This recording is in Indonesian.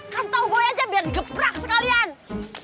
kasih tau boy aja biar digeprak sekalian